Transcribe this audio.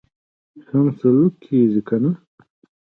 سم سلوک کیږي کنه.